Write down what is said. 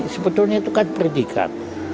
sebetulnya itu kan predikat